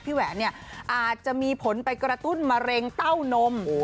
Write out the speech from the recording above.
พี่แหวนอาจจะมีผลไปกระตุ้นมะเร็งเต้านม